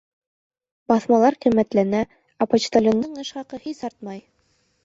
Баҫмалар ҡиммәтләнә, ә почтальондың эш хаҡы һис артмай